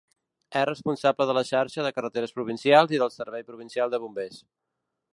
És responsable de la xarxa de carreteres provincials i del servei provincial de bombers.